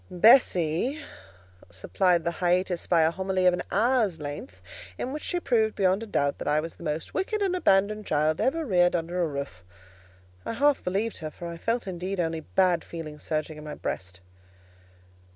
Bessie supplied the hiatus by a homily of an hour's length, in which she proved beyond a doubt that I was the most wicked and abandoned child ever reared under a roof. I half believed her; for I felt indeed only bad feelings surging in my breast.